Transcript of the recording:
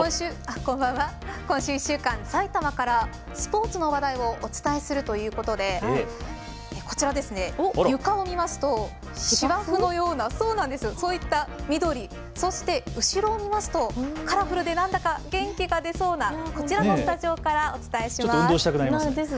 今週１週間、埼玉からスポーツの話題をお伝えするということでこちらですね、床を見ますと芝生のようなそういった緑、そして後ろを見ますとカラフルでなんだか元気が出そうなこちらのスタジオからお伝えします。